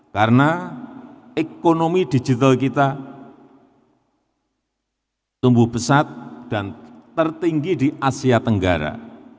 karena ekonomi digital kita tumbuh besar dan tertinggi di asia tenggara